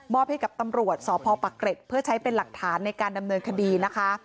ให้กับตำรวจสพปะเกร็ดเพื่อใช้เป็นหลักฐานในการดำเนินคดีนะคะ